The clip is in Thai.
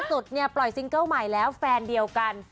สุดเนี่ยปล่อยซิงเกิ้ลใหม่แล้วแฟนเดียวกัน